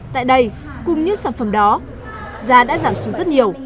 tại đây cùng những sản phẩm đó giá đã giảm xuống rất nhiều